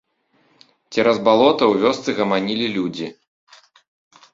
Цераз балота ў вёсцы гаманілі людзі.